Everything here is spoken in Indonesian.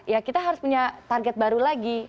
ya kita harus punya target baru lagi